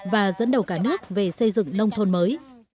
và dẫn đầu cả nước về xây dựng nông thôn mới